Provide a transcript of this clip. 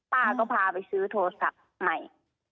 ป้าก็พาไปซื้อโทรศัพท์ใหม่